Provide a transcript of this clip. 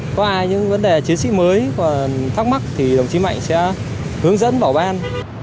có ai những vấn đề chiến sĩ mới và thắc mắc thì đồng chí mạnh sẽ hướng dẫn bảo ban